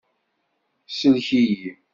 Sellek-iyi!